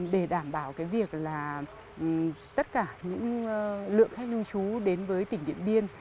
để đảm bảo cái việc là tất cả những lượng khách lưu trú đến với tỉnh điện biên